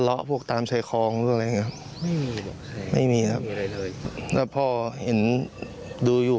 กระเลาะพวกตามชายคลองอะไรอย่างนี้ครับไม่มีครับพ่อเห็นดูอยู่